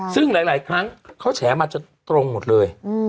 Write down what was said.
ซึ่งหลายครั้งเขาแฉมาจนตรงหมดเลย